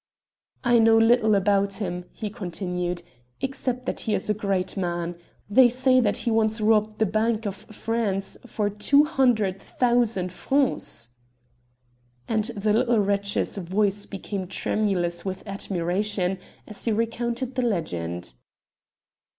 "I know little about him," he continued, "except that he is a great man. They say that he once robbed the Bank of France of 200,000 francs!" And the little wretch's voice became tremulous with admiration as he recounted the legend.